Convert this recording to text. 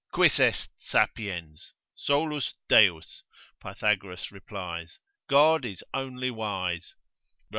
Quis est sapiens? Solus Deus, Pythagoras replies, God is only wise, Rom.